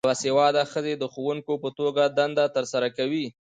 باسواده ښځې د ښوونکو په توګه دنده ترسره کوي.